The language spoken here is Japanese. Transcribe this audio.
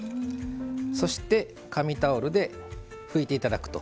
そして、紙タオルで拭いていただくと。